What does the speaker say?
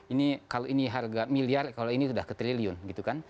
ini kalau ini harga miliar kalau ini sudah ke triliun gitu kan